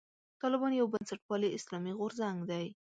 طالبان یو بنسټپالی اسلامي غورځنګ دی.